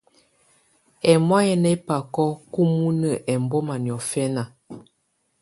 Ɛ́mɔ̀á yɛ́ ná ɛbákɔ́ kumunǝ ɛmbɔ́ma niɔ̀fɛ́na.